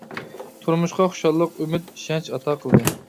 تۇرمۇشقا خۇشاللىق، ئۈمىد، ئىشەنچ ئاتا قىلدى.